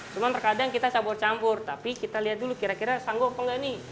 cuma terkadang kita campur campur tapi kita lihat dulu kira kira sanggup gak nih